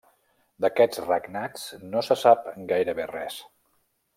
D'aquests regnats no se sap gairebé res.